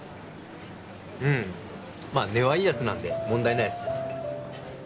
うんまあ根はいいやつなんで問題ないです